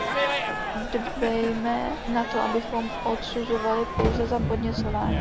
Dbejme na to, abychom odsuzovali pouze za podněcování.